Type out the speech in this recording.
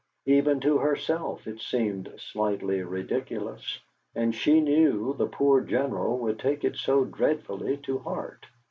Even to herself it seemed slightly ridiculous, and she knew the poor General would take it so dreadfully to heart.